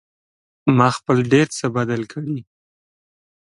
ما خپل ډېر څه بدل کړي